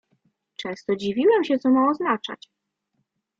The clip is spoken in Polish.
"Często dziwiłem się, co ma oznaczać."